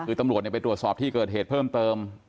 คือตำรวจไปตรวจสอบที่เกิดเหตุเพิ่มเติม